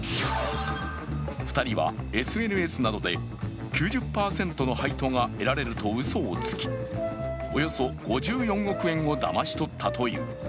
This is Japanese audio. ２人はＳＮＳなどで、９０％の配当が得られるとうそをつき、およそ５４億円をだまし取ったという。